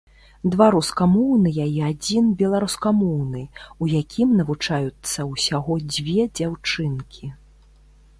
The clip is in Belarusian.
Два рускамоўныя і адзін беларускамоўны, у якім навучаюцца ўсяго дзве дзяўчынкі.